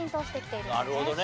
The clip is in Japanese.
なるほどね。